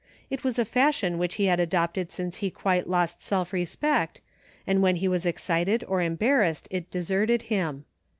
It was a fashion which he had adopted since he quite lost self respect, and when he was excited or embar rassed it deserted him.